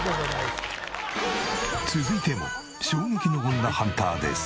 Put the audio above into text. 続いても衝撃の女ハンターです。